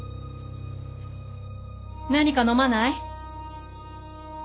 何か飲まない？